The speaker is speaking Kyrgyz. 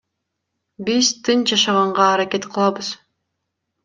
Биз тынч жашаганга аракет кылабыз.